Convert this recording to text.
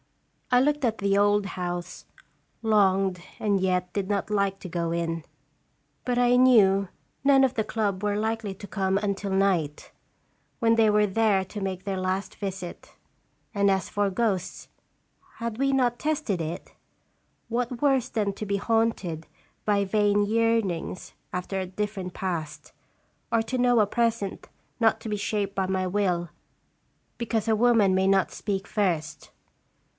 I looked at the old house, longed and yet did not like to go in. But I knew none of the club 311 were likely to come until night, when they were to make their last visit and as for ghosts, had we not tested it? What worse than to be haunted by vain yearnings after a different past, or to know a present not to be shaped by my will because a woman may not speak first.